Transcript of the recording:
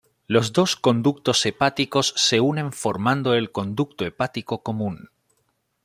Los dos conductos hepáticos se unen formando el conducto hepático común.